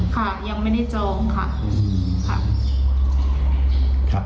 ค่ะยังไม่ได้จองค่ะ